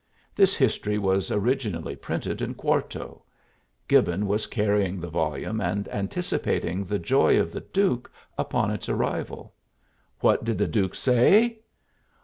This history was originally printed in quarto; Gibbon was carrying the volume and anticipating the joy of the duke upon its arrival. What did the duke say?